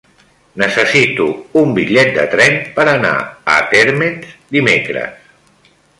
Necessito un bitllet de tren per anar a Térmens dimecres.